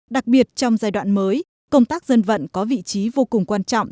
đặc biệt trong giai đoạn mới công tác dân vận có vị trí vô cùng quan trọng